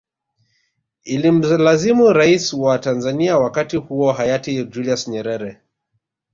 Ilimlazimu rais wa Tanzanzia wakati huo hayati Julius Nyerere